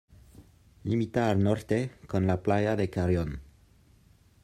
Limita al norte con la playa de Carrión.